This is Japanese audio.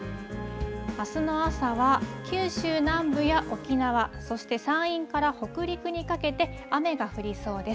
あすの朝は九州南部や沖縄、そして山陰から北陸にかけて雨が降りそうです。